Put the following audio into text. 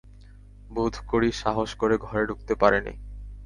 বোধ করি সাহস করে ঘরে ঢুকতে পারে নি।